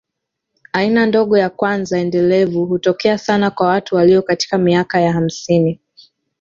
Aina ndogo ya kwanza endelevu hutokea sana kwa watu walio katika miaka ya hamsini.